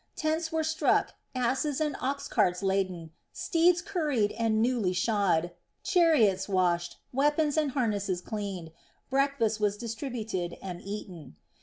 Tents were struck, asses and ox carts laden, steeds curried and newly shod, chariots washed, weapons and harnesses cleaned, breakfast was distributed and eaten.